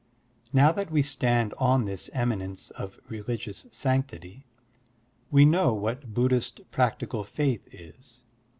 Now that we stand on this eminence of reli gious sanctity, we know what Buddhist practical faith is.